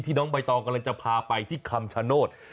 น้องใบตองกำลังจะพาไปที่คำชโนธ